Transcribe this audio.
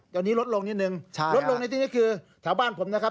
ตอนนี้ลดลงนิดนึงลดลงในที่นี้คือแถวบ้านผมนะครับ